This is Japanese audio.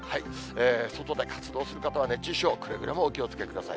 外で活動する方は熱中症、くれぐれもお気をつけください。